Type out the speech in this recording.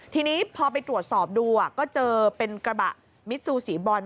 ทีนี้พอไปตรวจสอบดูก็เจอเป็นกระบะมิซูสีบรอน